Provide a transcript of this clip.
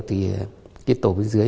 thì cái tổ bên dưới